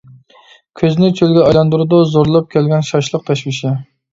كۆزنى چۆلگە ئايلاندۇرىدۇ، زورلاپ كەلگەن شاشلىق تەشۋىشى.